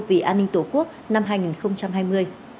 vì an ninh tổ quốc năm hai nghìn hai mươi